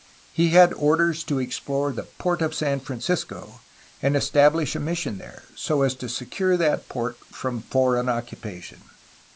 He had orders to explore the 'Tort of San Fran cisco'' and establish a mission there, so as to secure that port from foreign occupation.